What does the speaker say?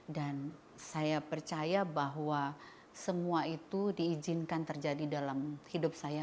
dan saya percaya bahwa semua itu diizinkan terjadi dalam hidup saya